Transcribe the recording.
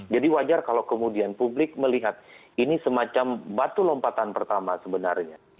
wajar kalau kemudian publik melihat ini semacam batu lompatan pertama sebenarnya